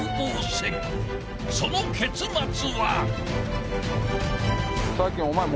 ［その結末は］